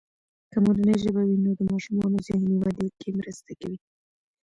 که مورنۍ ژبه وي، نو د ماشومانو ذهني ودې کې مرسته کوي.